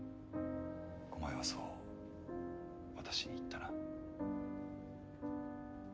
お前はそう私に言ったな。